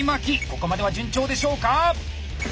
ここまでは順調でしょうか